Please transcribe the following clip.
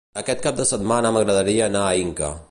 Aquest cap de setmana m'agradaria anar a Inca.